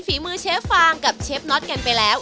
ฝีมือเชฟฟางกับเชฟน็อตกันไปแล้ว